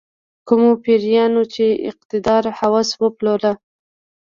کومو پیریانو چې اقتدار هوس وپاللو.